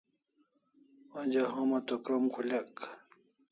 Onja homa to krom khulek